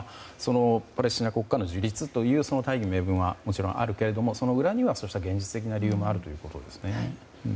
パレスチナ国家の樹立という大義名分はもちろんあるけれどもその裏には現実的な理由もあるということですね。